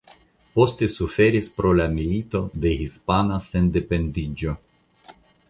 Poste suferis pro la Milito de Hispana Sendependiĝo.